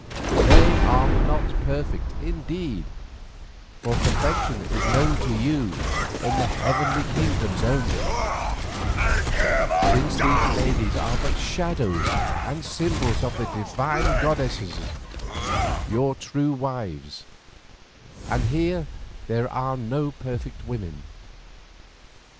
They are not perfect indeed, for perfection is known to you in the heavenly kingdoms only, since these ladies are but shadows and symbols of the divine goddesses your true wives, and here there are no perfect women.